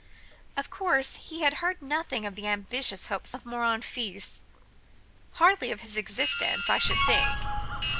Of course, he had heard nothing of the ambitious hopes of Morin Fils,—hardly of his existence, I should think.